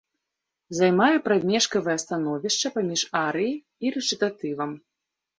Займае прамежкавае становішча паміж арыяй і рэчытатывам.